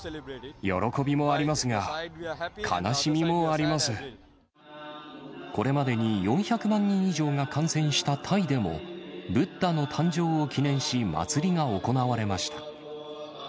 喜びもありますが、悲しみもありこれまでに４００万人以上が感染したタイでも、仏陀の誕生を記念し、祭りが行われました。